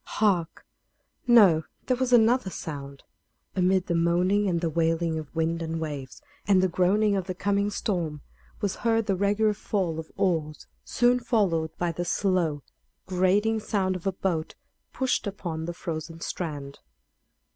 Hark! No; there was another sound. Amid the moaning and the wailing of winds and waves, and the groaning of the coming storm, was heard the regular fall of oars, soon followed by the slow, grating sound of a boat pushed up upon the frozen strand.